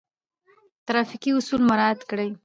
ټرافیکي اصول مراعات کړئ